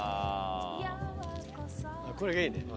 これがいいね。